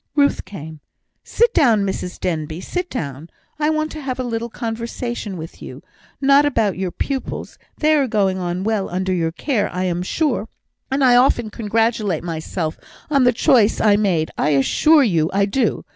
Ruth came. "Sit down, Mrs Denbigh; sit down. I want to have a little conversation with you; not about your pupils, they are going on well under your care, I am sure; and I often congratulate myself on the choice I made I assure you I do.